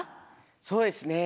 そうですね